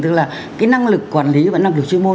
tức là cái năng lực quản lý và năng lực chuyên môn